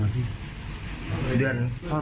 ไม่เข้ามา